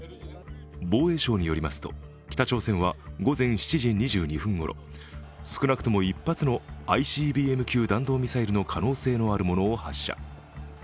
防衛省によりますと、北朝鮮は午前７時２２分ごろ、少なくとも１発のＩＣＢＭ級弾道ミサイルの可能性のあるものを発射。